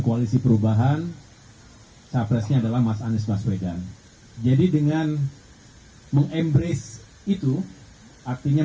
koalisi perubahan capresnya adalah mas anies baswedan jadi dengan meng embrace itu artinya